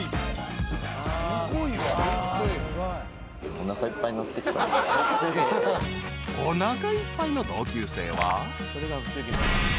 ［おなかいっぱいの同級生は］